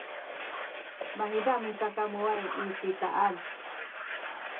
mahiza misakamuway i titaan